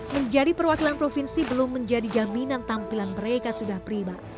menjadi perwakilan provinsi belum menjadi jaminan tampilan mereka sudah prima